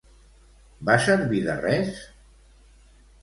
Va servir de res?